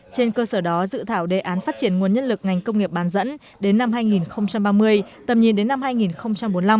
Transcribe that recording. trên cơ sở đó dự thảo đề án phát triển nguồn nhân lực ngành công nghiệp bán dẫn đến năm hai nghìn ba mươi tầm nhìn đến năm hai nghìn bốn mươi năm